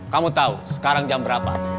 kamu tahu sekarang jam berapa